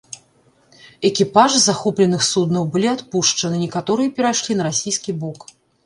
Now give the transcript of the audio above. Экіпажы захопленых суднаў былі адпушчаны, некаторыя перайшлі на расійскі бок.